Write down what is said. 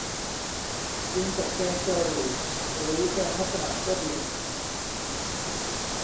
กินกับแกงกะหรี่ หรือแกงมัสหมั่นก็ดี